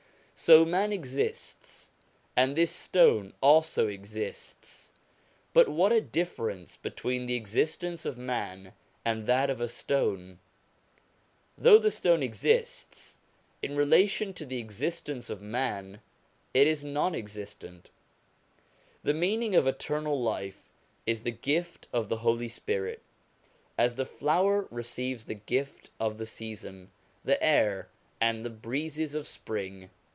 So man exists, and this stone also exists, but what a difference between the existence of man and that of the stone ! Though the stone exists, in relation to the existence of man it is non existent. The meaning of eternal life is the gift of the Holy Spirit, as the flower receives the gift of the season, the air, and the breezes of spring.